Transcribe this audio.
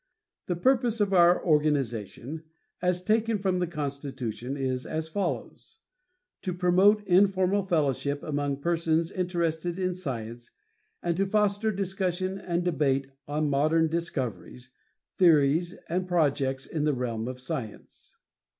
The purpose of our organization, as taken from the constitution, is as follows: To promote informal fellowship among persons interested in science, and to foster discussion and debate on modern discoveries, theories, and projects in the realm of science.